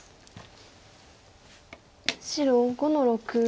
白５の六。